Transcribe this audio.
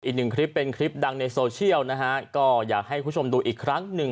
อีกหนึ่งคลิปเป็นคลิปดังในโซเชียลนะฮะก็อยากให้คุณผู้ชมดูอีกครั้งหนึ่ง